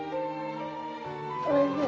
おいしい。